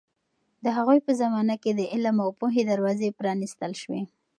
د هغوی په زمانه کې د علم او پوهې دروازې پرانیستل شوې.